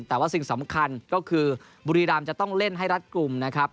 แต่ว่าสิ่งสำคัญก็คือบุรีรามจะต้องเล่นให้รัดกลุ่มนะครับ